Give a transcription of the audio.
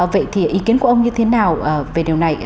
vậy thì ý kiến của ông như thế nào về điều này